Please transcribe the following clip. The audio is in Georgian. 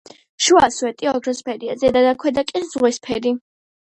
შუა სვეტი ოქროსფერია, ზედა და ქვედა კი ზღვისფერი.